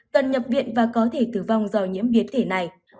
cần nhập viện và có thể tử vong do nhiễm biến thể này